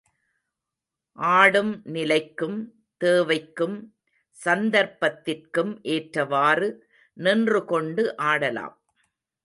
ஆடும் நிலைக்கும், தேவைக்கும் சந்தர்ப்பத்திற்கும் ஏற்றவாறு, நின்றுகொண்டு ஆடலாம்.